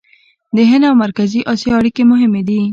د هند او مرکزي اسیا اړیکې مهمې دي.